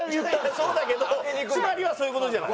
そうだけどつまりはそういう事じゃない。